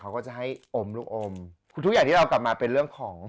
เขาก็จะให้อมลูกอมคือทุกอย่างที่เรากลับมาเป็นเรื่องของ